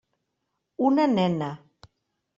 Una nena.